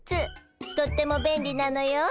とってもべんりなのよ乾物。